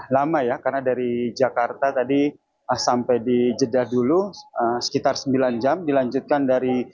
lama ya karena dari jakarta tadi sampai di jeddah dulu sekitar sembilan jam dilanjutkan dari